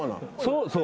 そう